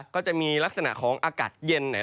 ก็จะมีลักษณะของอากาศเย็น